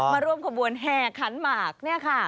มาร่วมขบวนแห่ขันหมากเนี่ยค่ะ